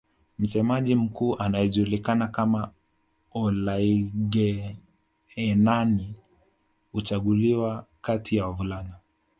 Msemaji Mkuu anayejulikana kama Olaiguenani huchaguliwa kati ya wavulana